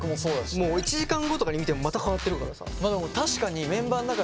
もう１時間後とかに見てもまた変わってるからさ。